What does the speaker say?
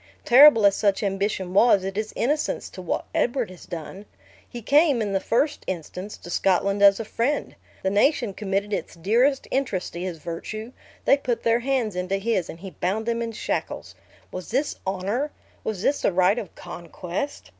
Terrible as such ambition was, it is innocence to what Edward has done. He came, in the first instance, to Scotland as a friend; the nation committed its dearest interests to his virtue; they put their hands into his and he bound them in shackles. Was this honor? Was this the right of conquest?